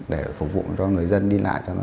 để phục vụ cho người dân đi lại